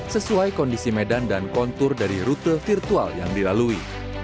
sesuai kondisi medan dan kontur dari rute virtual yang dilalui